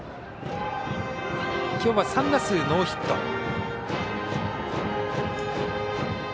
きょうは３打数ノーヒット。